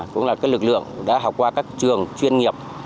cũng là lực lượng đã học qua các trường chuyên nghiệp